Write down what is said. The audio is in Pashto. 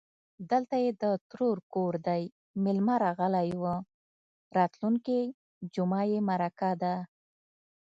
_دلته يې د ترور کور دی، مېلمه راغلی و. راتلونکې جومه يې مرکه ده.